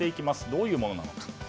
どういうものなのか。